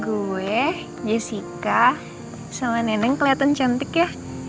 gue jessica sama nenek kelihatan cantik ya